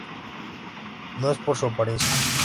No es por tu apariencia.